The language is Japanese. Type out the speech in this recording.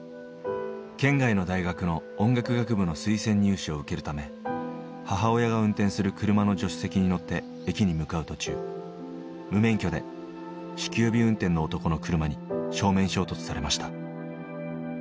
県外の大学の音楽学部の推薦入試を受けるため母親が運転する車の助手席に乗って駅に向かう途中無免許で酒気帯び運転の男の車に正面衝突されました。